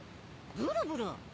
ブルブル。